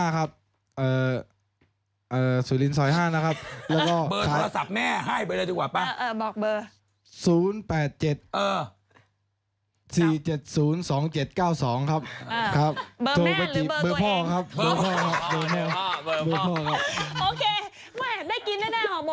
ไม่ได้กินแล้วแน่เหรอโหมเดี๋ยวนะอยากฟังเสียงสักส่วนของหน่อยแน่บ้างสิคะ